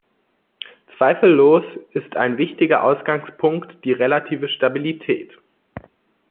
Zweifellos ist ein wichtiger Ausgangspunkt die relative Stabilität.